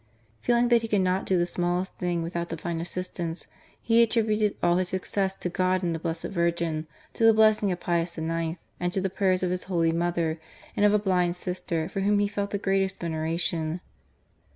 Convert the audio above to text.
Feeling that he could not do the smallest thing without Divine assistance, he attributed all his success to God and the Blessed Virgin, to the blessing of Pius IX., and to the prayers of his holy mother and of a blind sister for whom he felt the greatest veneration.